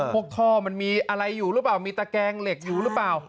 ท่อมันมีอะไรอยู่หรือเปล่ามีตะแกงเหล็กอยู่หรือเปล่า